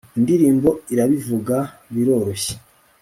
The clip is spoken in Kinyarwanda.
Indirimbo irabivuga biroroshye